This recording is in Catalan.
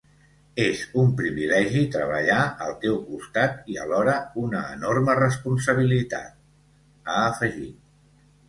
“És un privilegi treballar al teu costat i alhora una enorme responsabilitat”, ha afegit.